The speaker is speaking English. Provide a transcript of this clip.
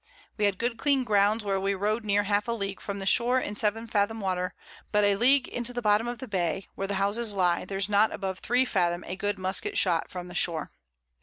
We had good clean Ground where we rode near half a League from the Shore in 7 Fathom Water, but a League into the Bottom of the Bay, where the Houses lie, there's not above 3 Fathom a good Musket shot from the Shore.